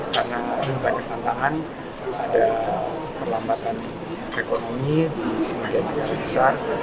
karena ada banyak tantangan ada perlambatan ekonomi di sebagian negara besar